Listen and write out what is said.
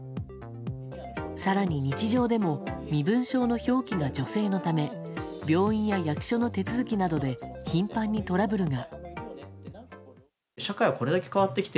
更に日常でも身分証の表記が女性のため病院や役所の手続きなどで頻繁にトラブルが。